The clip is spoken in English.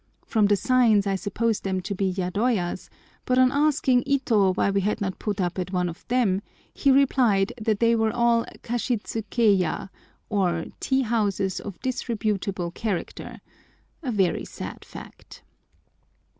From the signs I supposed them to be yadoyas, but on asking Ito why we had not put up at one of them, he replied that they were all kashitsukeya, or tea houses of disreputable character—a very sad fact.